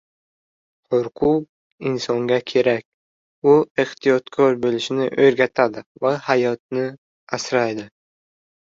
Qo‘rquv – insonga kerak. U ehtiyotkor bo‘lishni o‘rgatadi va hayotni asraydi.